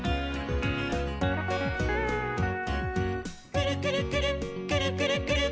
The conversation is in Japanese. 「くるくるくるっくるくるくるっ」